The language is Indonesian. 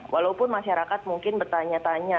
walaupun masyarakat mungkin bertanya tanya